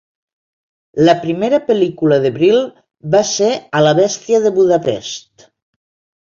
La primera pel·lícula de Brill va ser a "la bèstia de Budapest".